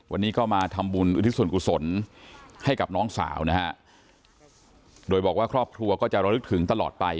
วันนี้ก็มาทำบุญอุทิศส่วนกุศลให้กับน้องสาวนะฮะโดยบอกว่าครอบครัวก็จะระลึกถึงตลอดไป